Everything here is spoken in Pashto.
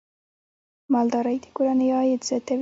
مالدارۍ د کورنیو عاید زیاتوي.